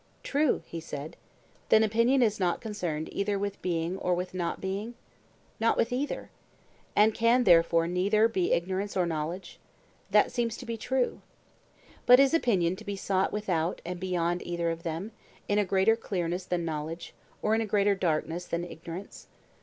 True, he said. Then opinion is not concerned either with being or with not being? Not with either. And can therefore neither be ignorance nor knowledge? That seems to be true. But is opinion to be sought without and beyond either of them, in a greater clearness than knowledge, or in a greater darkness than ignorance?